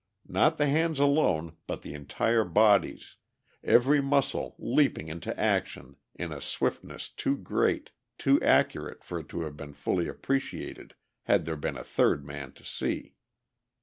Not the hands alone but the entire bodies, every muscle leaping into action in a swiftness too great, too accurate for it to have been fully appreciated had there been a third man to see.